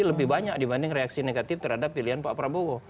lebih banyak dibanding reaksi negatif terhadap pilihan pak prabowo